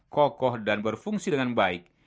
kokoh dan berfungsi dengan baik